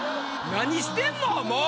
何してんのもう！